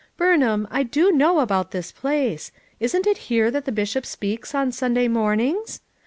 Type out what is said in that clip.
"Burnham, I do know about this place; isn't it here that the Bishop speaks on Sunday mornings?